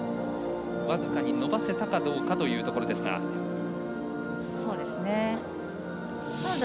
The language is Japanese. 僅かに伸ばせたかどうかというところですが。